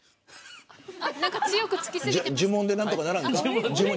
呪文で何とかならんか。